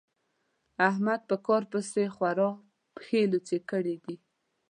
احمد په کار پسې خورا پښې رالوڅې کړې دي.